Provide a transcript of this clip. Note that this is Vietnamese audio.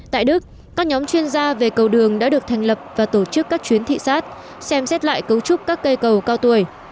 tại đức các nhóm chuyên gia về cầu đường đã được thành lập và tổ chức các chuyến thị xác xem xét lại cấu trúc các cây cầu cao tuổi